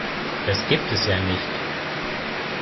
Das gibt es ja nicht!